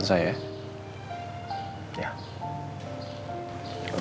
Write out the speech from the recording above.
assalamualaikum warahmatullahi wabarakatuh